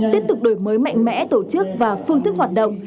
tiếp tục đổi mới mạnh mẽ tổ chức và phương thức hoạt động